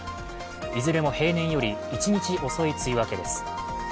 いずれも平年より１日遅い梅雨明けです。